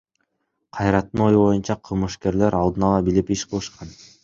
Кайраттын ою боюнча, кылмышкерлер алдын ала билип иш кылышкан.